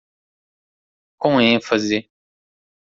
Com ênfase